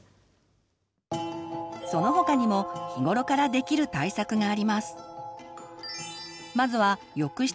その他にも日頃からできる対策があります。